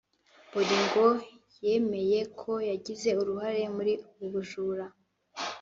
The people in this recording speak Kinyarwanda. Bolingo yemeye ko yagize uruhare muri ubu bujura